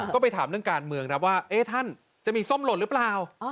ก็ไปถามเรื่องการเมืองครับว่าท่านจะมีส้มหล่นหรือเปล่า